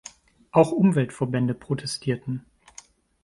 Auch Umweltverbände protestierten.